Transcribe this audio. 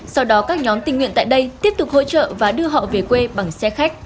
sau đó các nhóm tình nguyện tại đây tiếp tục hỗ trợ và đưa họ về quê bằng xe khách